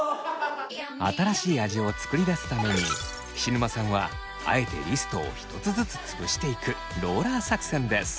新しい味を作り出すために菱沼さんはあえてリストを１つずつつぶしていくローラー作戦です。